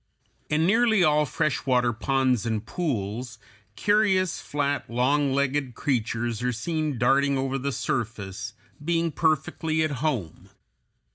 ] In nearly all fresh water ponds and pools curious flat, long legged creatures (Fig. 212) are seen darting over the surface, being perfectly at home.